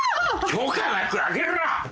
許可なく開けるな！